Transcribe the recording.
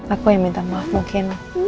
aku yang minta maaf mungkin